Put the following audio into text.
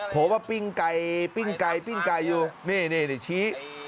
โผล่ว่าปิ้งไก่ปิ้งไก่ปิ้งไก่อยู่นี่นี่นี่ชี้